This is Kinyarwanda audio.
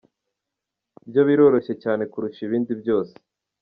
Byo biroroshye cyane kurusha ibindi byose.